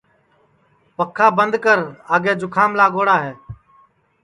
پکھا بند کر آگے جُکھام لاگوڑا ہے